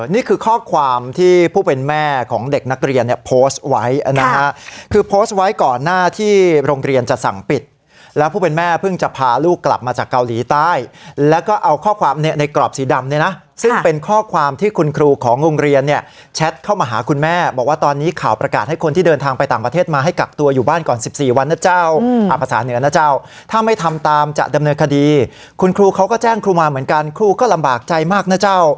นี่คือข้อความที่ผู้เป็นแม่ของเด็กนักเรียนเนี่ยโพสต์ไว้นะครับคือโพสต์ไว้ก่อนหน้าที่โรงเรียนจะสั่งปิดแล้วผู้เป็นแม่เพิ่งจะพาลูกกลับมาจากเกาหลีใต้แล้วก็เอาข้อความในกรอบสีดำเนี่ยนะซึ่งเป็นข้อความที่คุณครูของโรงเรียนเนี่ยแชทเข้ามาหาคุณแม่บอกว่าตอนนี้ข่าวประกาศให้คนที่เดิน